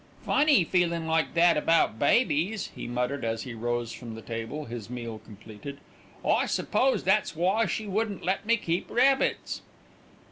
"Funny feelin' like that about babies," he muttered as he rose from the table, his meal completed. "I suppose that's why she wouldn't let me keep rabbits."